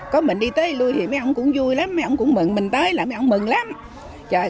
có mình đi tới thì mấy ông cũng vui lắm mấy ông cũng mừng mình tới mấy ông mừng lắm trời